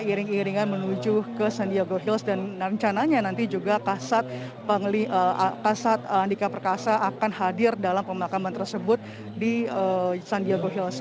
iring iringan menuju ke sandiago hills dan rencananya nanti juga kasat andika perkasa akan hadir dalam pemakaman tersebut di sandiago hills